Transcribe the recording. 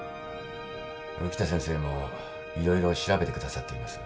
浮田先生も色々調べてくださっています。